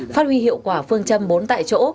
phát huy hiệu quả phương châm bốn tại chỗ